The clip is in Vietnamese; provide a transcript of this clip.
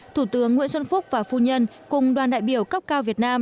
thủ tướng nguyễn xuân phúc và phu nhân cùng đoàn đại biểu cấp cao việt nam